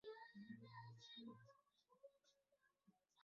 蒯越和黄祖的儿子黄射担任过章陵太守。